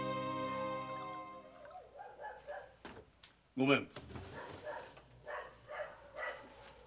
・ごめん！